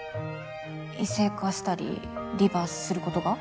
異性化したりリバースすることが？